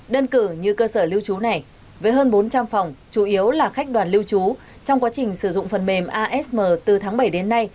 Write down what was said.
đơn cử như cơ sở lưu trú này với hơn bốn trăm linh phòng chủ yếu là khách đoàn lưu trú trong quá trình sử dụng phần mềm asm từ tháng bảy đến nay